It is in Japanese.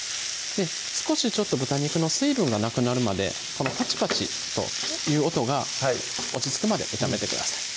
少しちょっと豚肉の水分がなくなるまでこのパチパチという音が落ち着くまで炒めてください